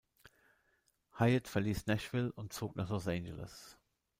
Hiatt verließ Nashville und zog nach Los Angeles.